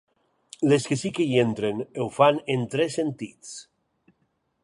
Les que sí que hi entren, ho fan en tres sentits.